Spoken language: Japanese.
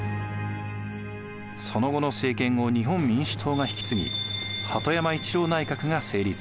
その後の政権を日本民主党が引き継ぎ鳩山一郎内閣が成立。